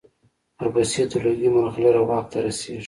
ورپسې د لوګي مرغلره واک ته رسېږي.